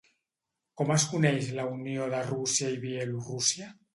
Com es coneix la Unió de Rússia i Bielorússia?